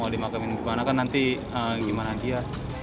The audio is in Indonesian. mau dimakamin gimana kan nanti gimana dia